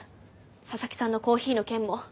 佐々木さんのコーヒーの件も。